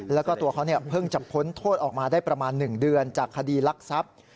แล้วก็ตัวเขาเพิ่งจะพ้นโทษออกมาได้ประมาณ๑เดือนจากคดีลักทรัพย์